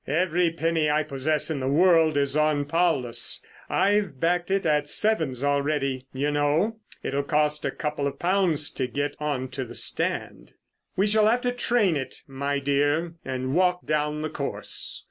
"Every penny I possess in the world is on Paulus. I've backed it at 'sevens' already, you know. It'll cost a couple of pounds to get on to the stand. We shall have to train it, my dear, and walk down the course."